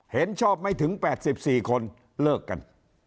เห็นชอบไม่ถึง๘๔คนเลิกกัน